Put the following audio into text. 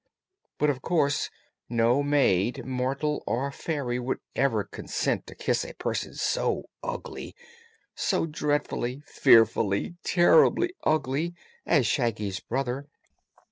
But of course no maid, mortal or fairy, would ever consent to kiss a person so ugly so dreadfully, fearfully, terribly ugly as Shaggy's brother."